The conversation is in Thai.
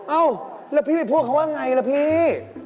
เอ้าแล้วพี่ไปพูดเขาว่าไงล่ะพี่